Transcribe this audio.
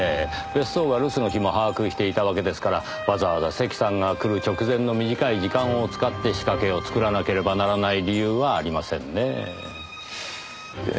別荘が留守の日も把握していたわけですからわざわざ関さんが来る直前の短い時間を使って仕掛けを作らなければならない理由はありませんねえ。